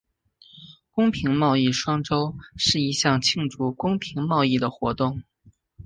公平贸易双周是一项庆祝公平贸易的活动。